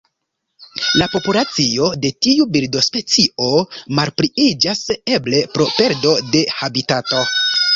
La populacio de tiu birdospecio malpliiĝas, eble pro perdo de habitato.